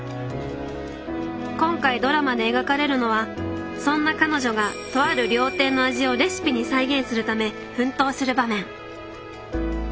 今回ドラマで描かれるのはそんな彼女がとある料亭の味をレシピに再現するため奮闘する場面。